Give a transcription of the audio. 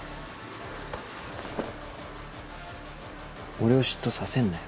俺を嫉妬させんなよ。